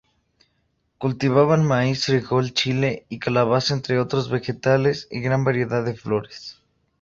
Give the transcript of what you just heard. Cultivaban maíz, frijol, chile y calabaza, entre otros vegetales, y gran variedad de flores.